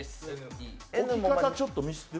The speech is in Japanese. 置き方、ちょっとミスってる？